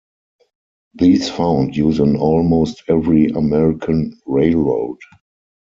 These found use on almost every American railroad.